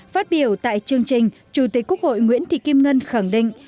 phát biểu tại chương trình chủ tịch quốc hội nguyễn thị kim ngân khẳng định